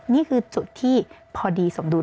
นี่คือจุดที่พอดีสมดุล